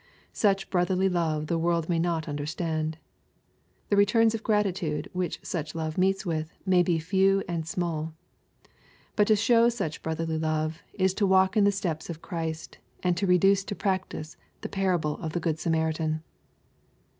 Such brotherly love the world may not understand. The returns of gratitude which such love meets with may be few and small. But to show such brotherly love, is to walk in the steps of Christ, and to reduce to practice the parable of the good Samaritan.